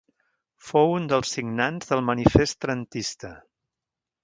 Fou un dels signants del Manifest Trentista.